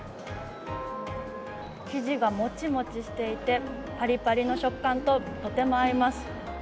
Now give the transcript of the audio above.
生地がもちもちしていて、パリパリの食感ととても合います。